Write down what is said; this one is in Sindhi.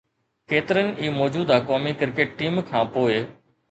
ڪيترن ئي موجوده قومي ڪرڪيٽ ٽيم کان پوء